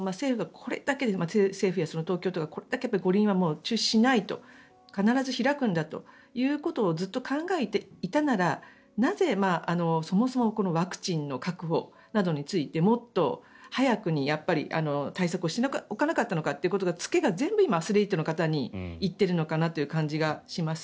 政府や東京都がこれだけ五輪は中止しないと必ず開くんだということをずっと考えていたならなぜ、そもそもワクチンの確保などについてもっと早くに対策をしておかなかったのかということの付けが全部、今アスリートの方に行っているのかなという感じがします。